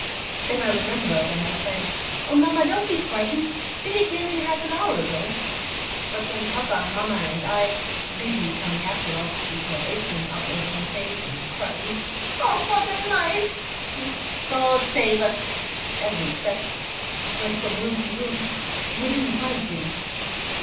Then I remembered, and I said, "Oh, mamma, don't be frightened; Billy came in half an hour ago." But when papa, mamma, and I Biddy coming after us, with her apron up over her face, and crying, "Och, what a nize!" and "God save us!" every step went from room to room, we didn't find Billy.